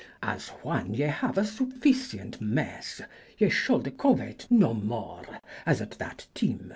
As whan ye haue a suffycyent mese ye sholde coveyte nomore as at that tyme.